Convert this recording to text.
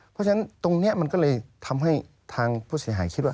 เพราะฉะนั้นตรงนี้มันก็เลยทำให้ทางผู้เสียหายคิดว่า